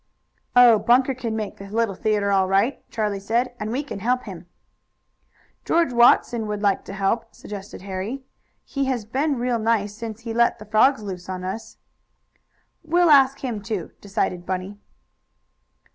"Oh, Bunker can make the little theatre, all right," Charlie said. "And we can help him." "George Watson would like to help," suggested Harry. "He has been real nice since he let the frogs loose on us." "We'll ask him, too," decided Bunny.